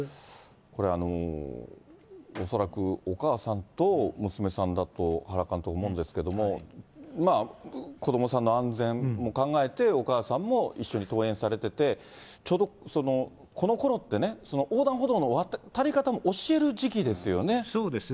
これ、恐らくお母さんと娘さんだと、原監督、思うんですけども、子どもさんの安全も考えて、お母さんも一緒に登園されてて、ちょうどこのころってね、横断歩道の渡り方を教える時期ですよね。